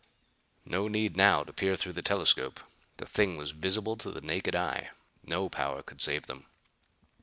No need now to peer through the telescope. The thing was visible to the naked eye. No power could save them!